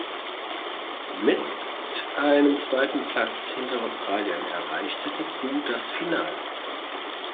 Mit einem zweiten Platz hinter Australien erreichte die Crew das Finale.